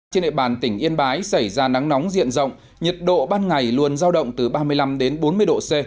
trên địa bàn tỉnh yên bái xảy ra nắng nóng diện rộng nhiệt độ ban ngày luôn giao động từ ba mươi năm đến bốn mươi độ c